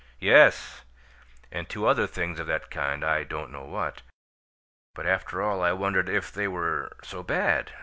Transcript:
"Yes, and two other things of that kind I don't know what. But, after all, I wondered if they were so bad.